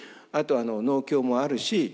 あとは農協もあるし